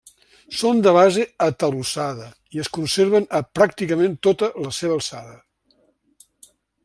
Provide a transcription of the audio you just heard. Són de base atalussada i es conserven a pràcticament tota la seva alçada.